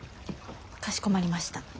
かしこまりました。